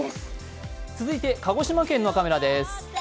続いて鹿児島県のカメラです。